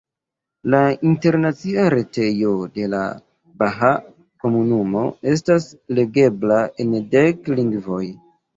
La internacia retejo de la bahaa komunumo estas legebla en dek lingvoj.